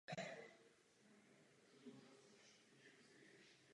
Hlavním městem je Independence.